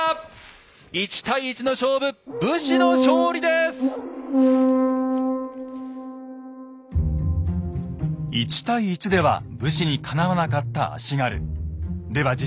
１対１の勝負１対１では武士にかなわなかった足軽。